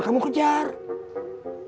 tidak bakal kejar kamu